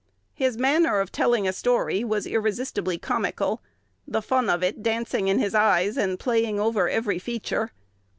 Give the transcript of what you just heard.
His manner of telling a story was irresistibly comical, the fun of it dancing in his eyes and playing over every feature.